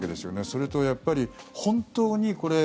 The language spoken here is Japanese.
それとやっぱり、本当にこれ。